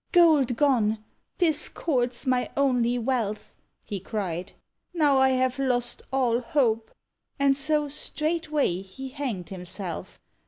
"Gold gone! This cord's my only wealth!" He cried; "now I have lost all hope:" And so straightway he hanged himself.